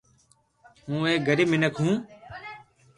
ھون ايڪ غريب مينک ھون